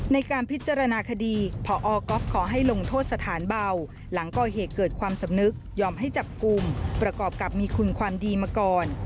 ในการพิจารณาคดีพอก๊อฟขอให้ลงโทษสถานเบาหลังก่อเหตุเกิดความสำนึกยอมให้จับกลุ่มประกอบกับมีคุณความดีมาก่อน